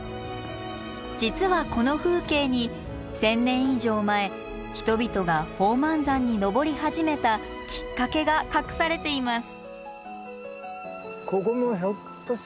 実はこの風景に１，０００年以上前人々が宝満山に登り始めたきっかけが隠されています。